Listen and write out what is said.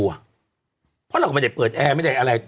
เพราะเราก็ไม่ได้เปิดแอร์ไม่ได้อะไร